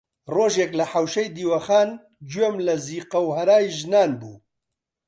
ڕۆژێک لە حەوشەی دیوەخان گوێم لە زیقە و هەرای ژنان بوو